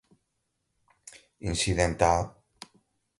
incidental